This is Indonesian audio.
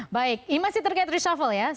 baik masih terkait reshuffle ya